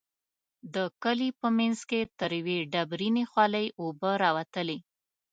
د کلي په منځ کې تر يوې ډبرينې خولۍ اوبه راوتلې.